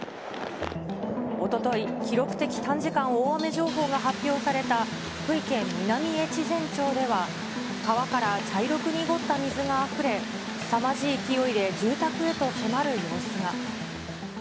おととい、記録的短時間大雨情報が発表された、福井県南越前町では、川から茶色く濁った水があふれ、すさまじい勢いで住宅へと迫る様子が。